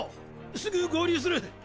すぐ合流する！